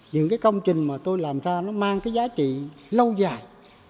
những cái công trình mà tôi làm ra nó mang cái giá trị lâu dài